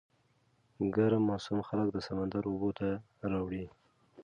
ګرم موسم خلک د سمندر اوبو ته راوړي.